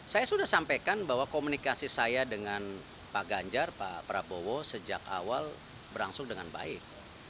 saya sudah sampaikan bahwa komunikasi saya dengan pak ganjar pak prabowo sejak awal berlangsung dengan baik